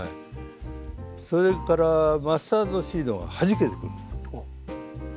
それからマスタードシードがはじけてくるんです。